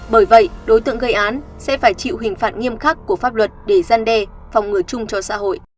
bởi vậy đối tượng gây án sẽ phải chịu hình phạt nghiêm khắc của pháp luật để gian đe phòng ngừa chung cho xã hội